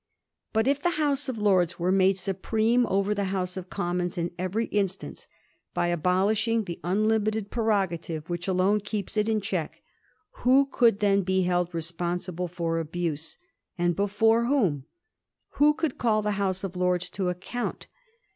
But if the House of Lords were made supreme over the House of Commons in every instance, by aboUshing the unlimited prerogative which alone keeps it in check, who could then be held responsible for abuse — and before whom ? Who could call the House of Lords to account